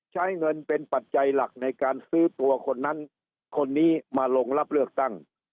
ใช้เงินเป็นปัจจัยหลักในการซื้อตัวคนนั้นคนนี้มาลงรับเลือกตั้ง